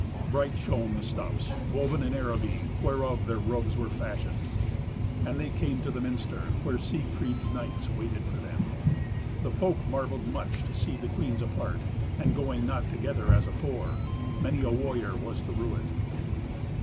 Bright shone the stuffs, woven in Araby, whereof their robes were fashioned. And they came to the minster, where Siegfried's knights waited for them. The folk marvelled much to see the queens apart, and going not together as afore. Many a warrior was to rue it.